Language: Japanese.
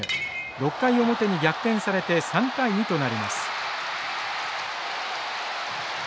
６回表に逆転されて３対２となります。